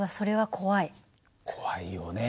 怖いよね。